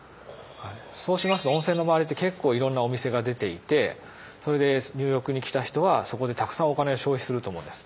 そうしますと温泉の周りって結構いろんなお店が出ていてそれで入浴に来た人はそこでたくさんお金を消費すると思うんです。